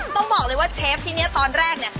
ต้องบอกเลยว่าเชฟที่นี่ตอนแรกเนี่ย